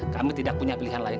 kami tidak punya pilihan lain